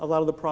jadi saya pikir